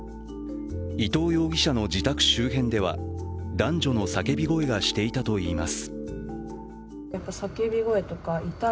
伊藤容疑者の自宅周辺では男女の叫び声がしていたといいます。